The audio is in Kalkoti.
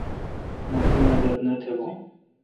مہ تی مدد نہ تھبون۔